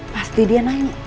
pasti dia nanya